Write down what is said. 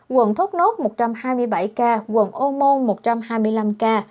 quận thốt nốt một trăm hai mươi bảy ca quận ô môn một trăm hai mươi năm ca